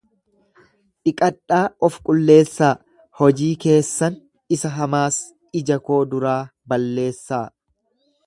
Dhiqadhaa of qulleessaa, hojii keessan isa hamaas ija koo duraa balleessaa.